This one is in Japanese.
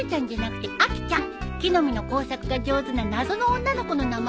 木の実の工作が上手な謎の女の子の名前。